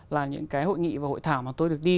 là những cái hội nghị và hội thảo mà tôi được đi